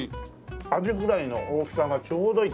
アジフライの大きさがちょうどいい。